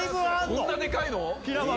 こんなでかいの！